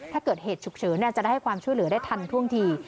ถ้าเกิดเหตุฉุกเฉินจะได้ให้ความช่วยเหลือได้ทันท่วงที